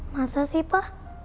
masa sih pa